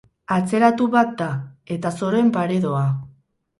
Atzeratu bat da eta zoroen pare doa.